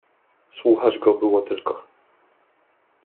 "Słuchać go było tylko."